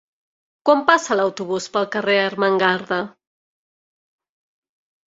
Quan passa l'autobús pel carrer Ermengarda?